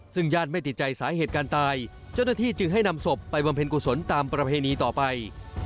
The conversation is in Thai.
ซึ่งญาติไม่ติดใจสาเหตุการตายเจ้าหน้าที่จึงให้นำศพไปบำเพ็ญกุศลตามประเพณีต่อไป